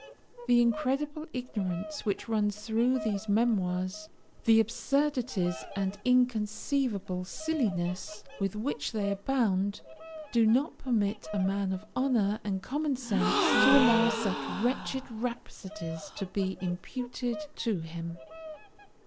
The incredible ignorance which runs through those memoirs, the absurdities and inconceivable silliness with which they abound, do not permit a man of honour and common sense to allow such wretched rhapsodies to be imputed to him.